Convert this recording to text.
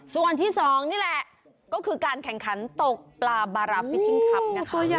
ส่วนที่๒นี่แหละก็คือการแข่งขันตกปลาบาราฟิชิงคลับนะคะ